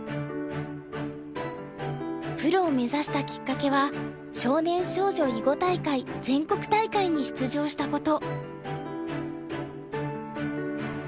プロを目指したきっかけは少年少女囲碁大会全国大会に出場したこと。